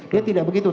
dia tidak begitu